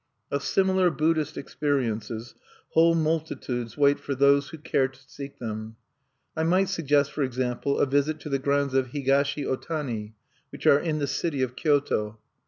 Of similar Buddhist experiences whole multitudes wait for those who care to seek them. I might suggest, for example, a visit to the grounds of Higashi Otani, which are in the city of Kyoto.